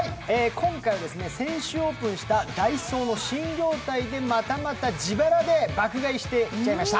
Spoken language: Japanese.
今回、先週オープンしたダイソーの新業態でまたまた自腹で爆買いしてきちゃいました。